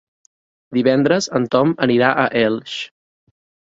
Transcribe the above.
Divendres en Tom anirà a Elx.